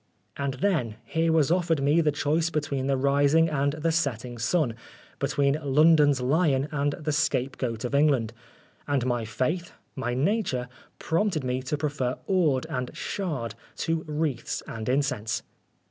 And then, here was offered me the choice between the rising and the setting sun, between London's lion and the scapegoat of England, and my faith, my nature prompted me to prefer ord and shard to wreaths and incense.